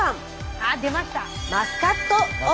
あ出ました！